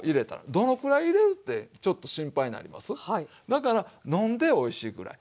だから飲んでおいしいぐらい。